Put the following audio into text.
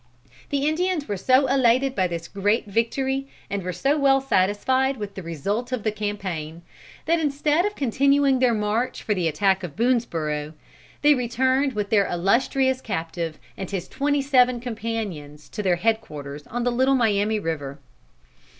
The Indians were so elated by this great victory, and were so well satisfied with the result of the campaign, that instead of continuing their march for the attack of Boonesborough, they returned with their illustrious captive and his twenty seven companions to their head quarters on the Little Miami River.